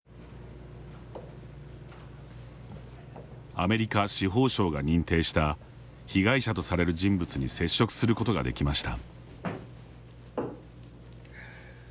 アメリカ司法省が認定した被害者とされる人物に接触することができました。